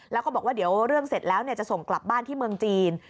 แล้วก็บอกว่าเดี๋ยวเรื่องเสร็จแล้วจะส่งกลับบ้านที่เมืองจีน